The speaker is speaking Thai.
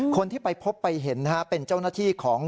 คนที่ไปพบไปเห็นนะฮะเป็นเจ้าหน้าที่ของ